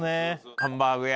ハンバーグ屋